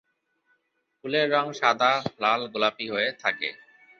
ফুলের রং সাদা, লাল, গোলাপী হয়ে থাকে।